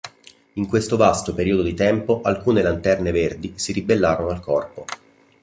In questo vasto periodo di tempo, alcune Lanterne Verdi si ribellarono al Corpo.